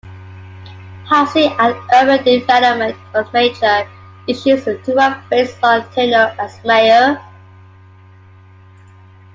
Housing and urban development were major issues throughout Bates' long tenure as mayor.